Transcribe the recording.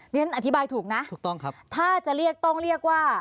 ฉันอธิบายถูกนะถูกต้องครับถ้าจะเรียกต้องเรียกว่า